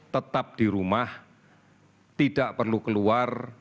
tetap di rumah tidak perlu keluar